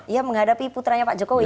ya menghadapi putranya pak jokowi